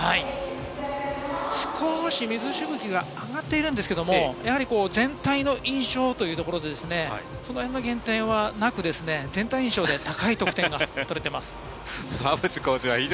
少し水しぶきが上がっているんですけれどもやはり全体の印象というところでその辺の減点はなく全体印象で高い得点が取れてます。